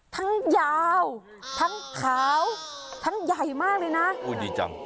ทั้งยาวทั้งขาวทั้งใหญ่มากเลยนะโอ้ดีจัง